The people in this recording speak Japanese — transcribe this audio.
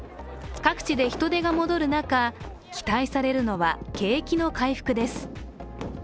各地で人出が戻る中期待されるのは景気の回復です。